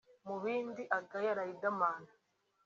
Mu bindi agaya Riderman